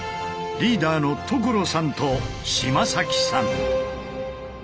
リーダーの所さんと島崎さん。